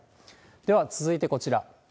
では、続いてこちら。